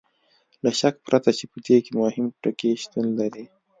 له شک پرته چې په دې کې مهم ټکي شتون لري.